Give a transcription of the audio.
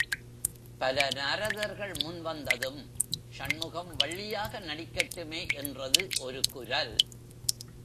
பல நாரதர்கள் முன் வந்ததும், சண்முகம் வள்ளியாக நடிக்கட்டுமே என்றது ஒரு குரல்.